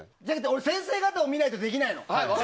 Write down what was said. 俺、先生方を見ないとできないの。